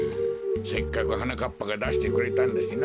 せっかくはなかっぱがだしてくれたんだしな。